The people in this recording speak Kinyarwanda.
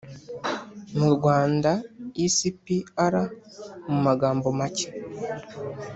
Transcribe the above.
mu Rwanda E C P R mu magambo make